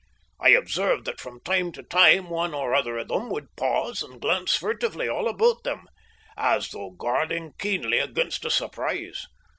I observed that from time to time one or other of them would pause and glance furtively all about them, as though guarding keenly against a surprise.